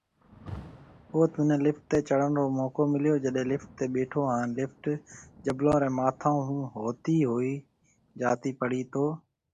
اوٿ منهي لفٽ تي چڙهڻ رو موقعو مليو، جڏي لفٽ تي ٻيٺو هان لفٽ جبلون ري ماٿون ھونهوتي هوئي جاتي پڙي تو